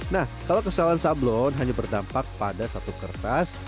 nah kalau kesalahan sablon hanya berdampak pada satu kertas